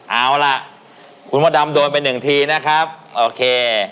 เอาละคุณพระดำโดนไป๑ทีนะครับโอเค